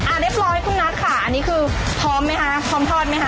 เรียบร้อยคุณนัทค่ะอันนี้คือพร้อมไหมคะพร้อมทอดไหมคะ